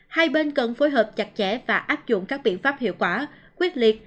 hai bên cần phối hợp chặt chẽ và áp dụng các biện pháp hiệu quả quyết liệt